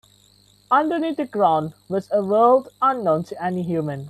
Underneath the ground was a world unknown to any human.